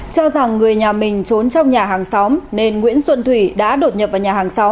cho rằng người nhà mình trốn trong nhà hàng xóm nên nguyễn xuân thủy đã đột nhập vào nhà hàng sáu